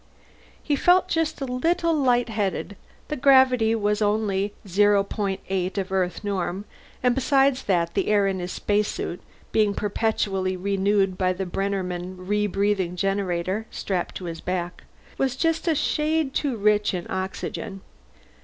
He felt just a little lightheaded; the gravity was only 0.8 of Earth norm, and besides that the air in his spacesuit, being perpetually renewed by the Bennerman re breathing generator strapped to his back, was just a shade too rich in oxygen.